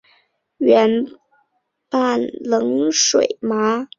圆瓣冷水麻